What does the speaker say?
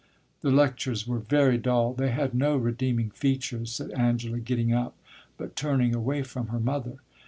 "The lectures were very dull; they had no redeeming features," said Angela, getting up, but turning away from her mother.